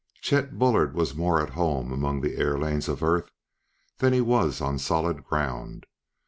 _ Chet Bullard was more at home among the air lanes of Earth than he was on solid ground.